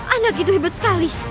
anak itu hebat sekali